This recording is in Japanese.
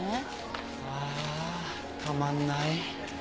ああたまんない。